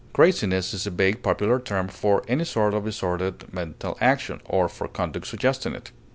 Craziness is a vague popular term for any sort of disordered mental action, or for conduct suggesting it.